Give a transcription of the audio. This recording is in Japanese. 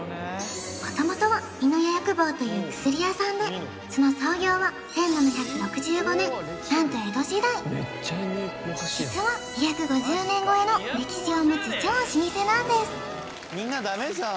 元々は美濃屋薬房という薬屋さんでその創業は１７６５年何と江戸時代実は２５０年超えの歴史を持つ超老舗なんですすいませんでした